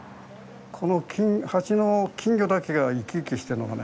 この鉢の金魚だけが生き生きしてるのがね